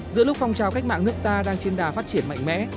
giữa lúc phong trào cách mạng nước ta đang trên đà phát triển mạnh mẽ